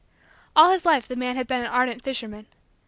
All his life the man had been an ardent fisherman.